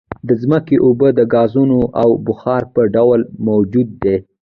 د ځمکې اوبه د ګازونو او بخار په ډول موجود دي